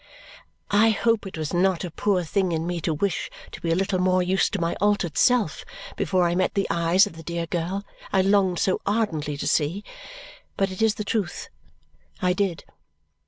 I hope it was not a poor thing in me to wish to be a little more used to my altered self before I met the eyes of the dear girl I longed so ardently to see, but it is the truth. I did.